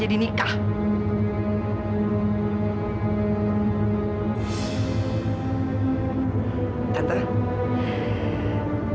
testimainkan donama hype deh